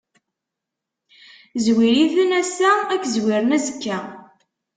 Zzwir-iten ass-a, ad k-zwiren azekka.